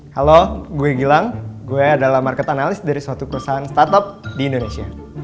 halo gue bilang gue adalah market analyst dari suatu perusahaan startup di indonesia